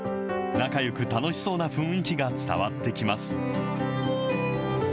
仲よく楽しそうな雰囲気が伝わってきます。